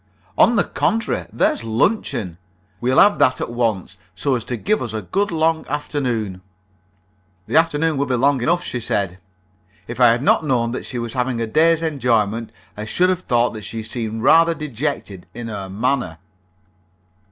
"On the contrary, there's luncheon. We'll have that at once, so as to give us a good long afternoon." "The afternoon will be long enough," she said. If I had not known that she was having a day's enjoyment, I should have thought that she seemed rather dejected in her manner.